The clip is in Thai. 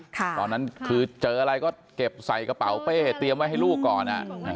ตอนนั้นคือเจออะไรก็เก็บใส่กระเป๋าเป้เตรียมไว้ให้ลูกก่อน